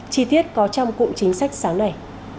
chi tiết có trong cụ chính sách sáng nay